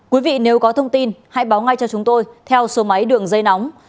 quý vị nếu có thông tin hãy báo ngay cho chúng tôi theo số máy đường dây nóng sáu mươi chín hai trăm ba mươi bốn